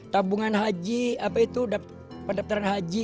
tabungan haji apa itu pendaftaran haji